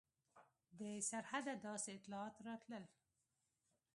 د سرحده داسې اطلاعات راتلل.